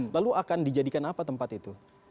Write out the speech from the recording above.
lalu akan dijadikan apa tempat itu